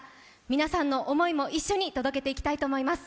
皆さんの思いも一緒に届けていきたいと思います。